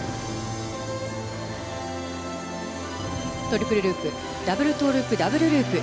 トリプルループダブルトウループダブルループ。